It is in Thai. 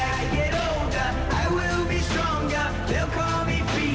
ท่านแรกครับจันทรุ่ม